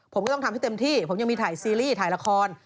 ผมก็ต้องทำให้เต็มที่ผมยังมีถ่ายซีรีส์ถ่ายละคร